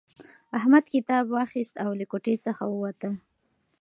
احمد کتاب واخیستی او له کوټې څخه ووتلی.